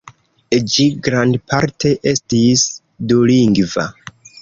Ĝi grandparte estis dulingva.